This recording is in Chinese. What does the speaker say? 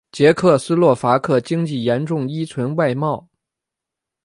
捷克斯洛伐克经济严重依存外贸。